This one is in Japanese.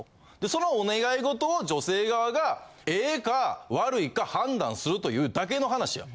そのお願い事を女性側がええか悪いか判断するというだけの話や。